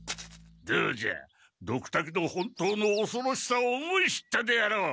どうじゃドクタケの本当のおそろしさを思い知ったであろう。